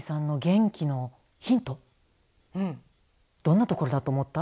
どんなところだと思った？